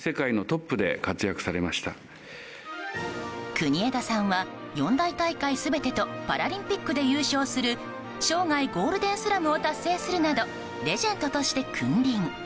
国枝さんは四大大会全てとパラリンピックで優勝する生涯ゴールデンスラムを達成するなどレジェンドとして君臨。